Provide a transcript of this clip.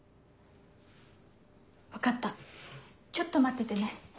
分かったちょっと待っててね。